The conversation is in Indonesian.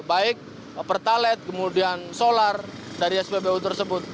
baik pertalet kemudian solar dari spbu tersebut